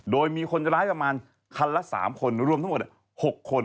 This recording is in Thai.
โดยมีคนร้ายประมาณคันละ๓คนรวมทั้งหมด๖คน